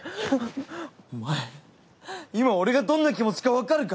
お前今俺がどんな気持ちか分かるか？